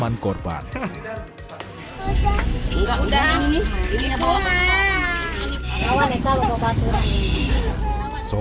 ringgit ya teng